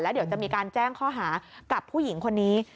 เดี๋ยวจะมีการแจ้งข้อหากับผู้หญิงคนนี้